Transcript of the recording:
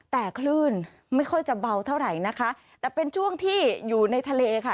แต่คลื่นไม่ค่อยจะเบาเท่าไหร่นะคะแต่เป็นช่วงที่อยู่ในทะเลค่ะ